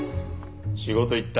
仕事行った。